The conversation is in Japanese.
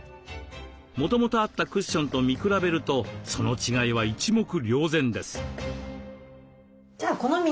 もともとあったクッションと見比べるとその違いは一目瞭然です。